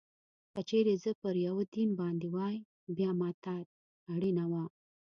که چېرې زه پر یوه دین باندې وای، بیا ما ته اړینه وه.